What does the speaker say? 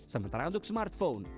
sementara untuk smartphone